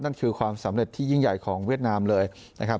นั่นคือความสำเร็จที่ยิ่งใหญ่ของเวียดนามเลยนะครับ